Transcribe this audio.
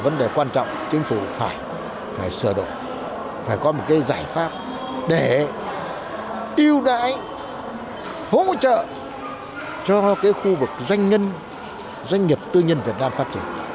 tôi cho là vấn đề quan trọng chính phủ phải sửa đổi phải có một cái giải pháp để yêu đại hỗ trợ cho khu vực doanh nhân doanh nghiệp tư nhân việt nam phát triển